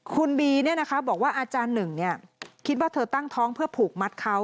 คุณบีบอกว่าอาจารย์หนึ่งคิดว่าเธอตั้งท้องเพื่อผูกมัดเขา